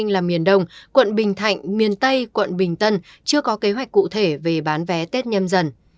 là miền đông quận bình thạnh miền tây quận bình tân chưa có kế hoạch cụ thể về bán vé tết nhâm dần